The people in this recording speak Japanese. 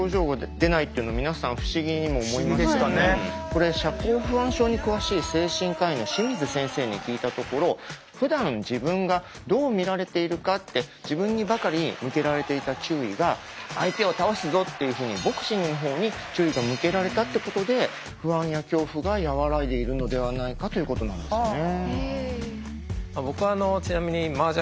これ社交不安症に詳しい精神科医の清水先生に聞いたところふだん自分がどう見られているかって自分にばかり向けられていた注意が相手を倒すぞっていうふうにボクシングの方に注意が向けられたってことで不安や恐怖が和らいでいるのではないかということなんですね。